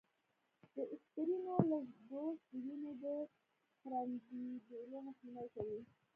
د اسپرينو لږ ډوز، د وینې د پرنډېدلو مخنیوی کوي